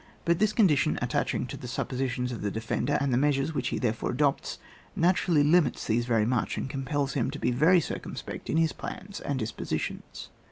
But this condition attaching to the suppositions of the defender, and the measures which he therefore adopts, naturally limits these very much, and compels him to be very circumspect in his plans and dispositions.